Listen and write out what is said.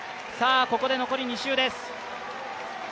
ここで残り２周です。